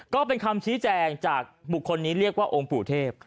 ก็เป็นคำชี้แจงจากบุคคลนี้เรียกว่าองค์ปู่เทพ